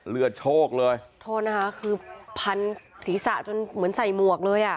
เลือดโชคเลยโทษนะคะคือพันศีรษะจนเหมือนใส่หมวกเลยอ่ะ